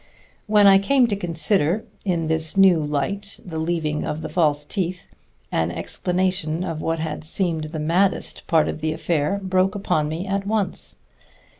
When I came to consider in this new light the leaving of the false teeth, an explanation of what had seemed the maddest part of the affair broke upon me at once.